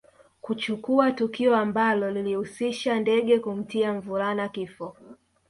Kuchukua tukio ambalo lilihusisha ndege kumtia mvulana kifo